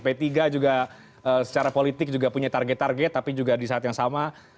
p tiga juga secara politik juga punya target target tapi juga di saat yang sama